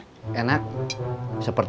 kenapa anakmu tidak berdiri sendiri